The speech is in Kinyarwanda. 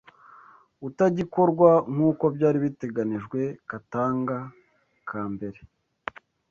utagikorwa nk’uko byari biteganijwe katanga ka mbere